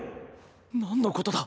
何のことだ？